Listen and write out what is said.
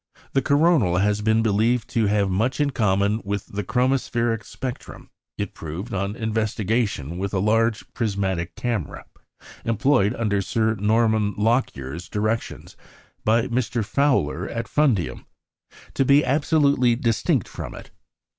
The coronal has been believed to have much in common with the chromospheric spectrum; it proved, on investigation with a large prismatic camera, employed under Sir Norman Lockyer's directions by Mr. Fowler at Fundium, to be absolutely distinct from it.